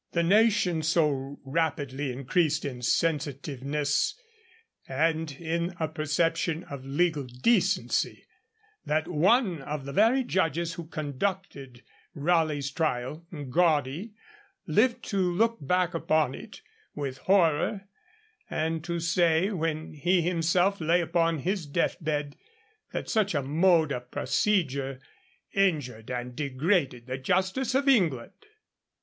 The nation so rapidly increased in sensitiveness and in a perception of legal decency, that one of the very judges who conducted Raleigh's trial, Gawdy, lived to look back upon it with horror, and to say, when he himself lay upon his death bed, that such a mode of procedure 'injured and degraded the justice of England.'